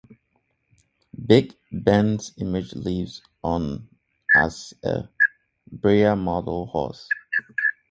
Big Ben's image lives on as a Breyer model horse.